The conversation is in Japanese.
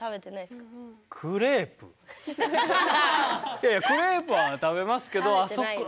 いやいやクレープは食べますけどあそこ原宿ではないかも。